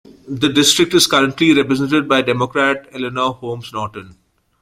The district is currently represented by Democrat Eleanor Holmes Norton.